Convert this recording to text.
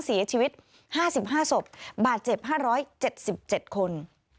เสียชีวิต๕๕ศพบาดเจ็บ๕๗๗คน